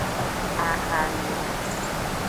Ahame.